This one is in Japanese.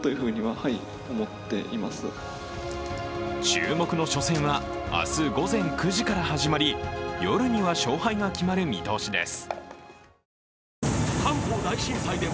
注目の初戦は明日午前９時から始まり夜には勝敗が決まる見通しです。